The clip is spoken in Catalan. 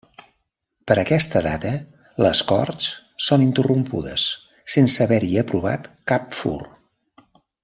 Per aquesta data les Corts són interrompudes, sense haver-hi aprovat cap fur.